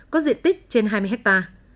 có diện tích trên hai mươi ha